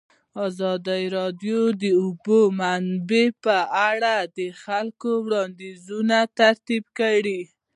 ازادي راډیو د د اوبو منابع په اړه د خلکو وړاندیزونه ترتیب کړي.